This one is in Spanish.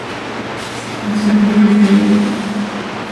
Se conservan dos de ellas.